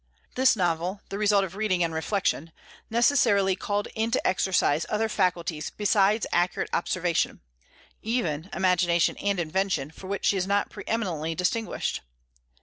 This novel, the result of reading and reflection, necessarily called into exercise other faculties besides accurate observation, even imagination and invention, for which she is not pre eminently distinguished.